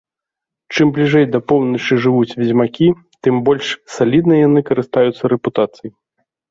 Чым бліжэй да поўначы жывуць ведзьмакі, тым больш саліднай яны карыстаюцца рэпутацыяй.